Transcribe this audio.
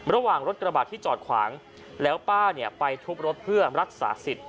ระหว่างรถกระบาดที่จอดขวางแล้วป้าเนี่ยไปทุบรถเพื่อรักษาสิทธิ